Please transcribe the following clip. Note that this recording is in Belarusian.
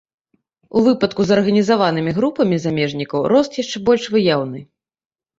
У выпадку з арганізаванымі групамі замежнікаў рост яшчэ больш выяўны.